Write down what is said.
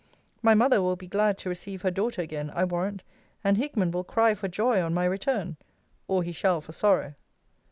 My mother will be glad to receive her daughter again, I warrant: and Hickman will cry for joy on my return; or he shall for sorrow.